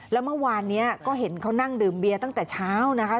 แล้วเมื่อวานนี้ก็เห็นเขานั่งดื่มเบียร์ตั้งแต่เช้านะคะ